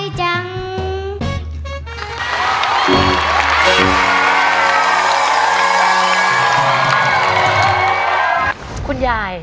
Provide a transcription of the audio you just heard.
เพลงเก่งของคุณครับ